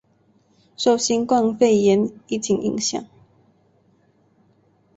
受新冠肺炎疫情影响